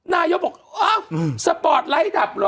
นายกบอกอ้าวสปอร์ตไลท์ดับเหรอ